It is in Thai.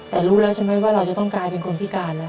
แต่รู้แล้วใช่ไหมว่าเราจะต้องกลายเป็นคนพิการแล้ว